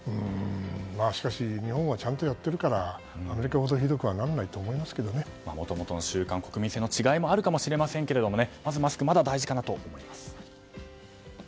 しかし、日本はちゃんとやってるからアメリカほどひどくなるとはもともとの習慣と国民性の違いもあるかもしれませんがマスクまだ大事かなと思います。